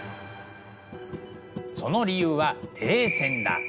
その理由は「冷戦」だ。